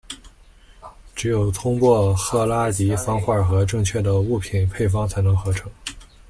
只有通过赫拉迪方块和正确的物品配方才能合成。